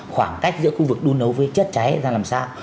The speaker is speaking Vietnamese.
khoảng cách giữa khu vực đun nấu với chất cháy ra làm sao